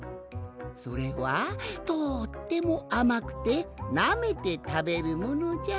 それはとってもあまくてなめてたべるものじゃ。